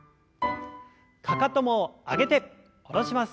かかとも上げて下ろします。